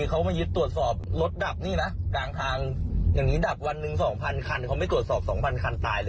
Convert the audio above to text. เขาไม่ตรวจสอบ๒๐๐๐คันตายเลยหรอก